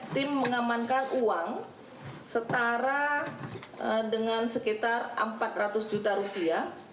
tim mengamankan uang setara dengan sekitar empat ratus juta rupiah